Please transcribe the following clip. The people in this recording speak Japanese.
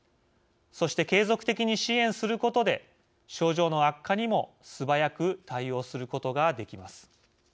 そして、継続的に支援することで症状の悪化にも素早く対応することができます。